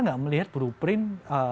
nggak melihat blueprint